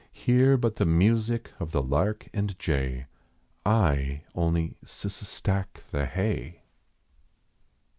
Hear but the music of the lark and jay. I only s s stack the hay.